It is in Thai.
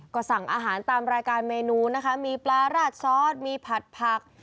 ก็สั่งอาหารตามรายการเมนูนะคะมีปลาราดซอสมีผัดผัก